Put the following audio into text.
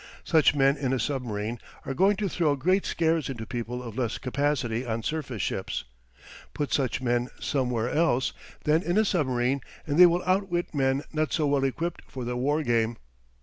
Such men in a submarine are going to throw great scares into people of less capacity on surface ships. Put such men somewhere else than in a submarine and they will outwit men not so well equipped for the war game.